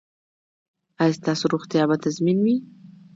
ایا ستاسو روغتیا به تضمین وي؟